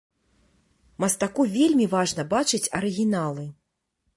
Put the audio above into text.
Мастаку вельмі важна бачыць арыгіналы.